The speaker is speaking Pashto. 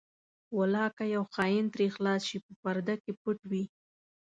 ولاکه یو خاین ترې خلاص شي په پرده کې پټ وي.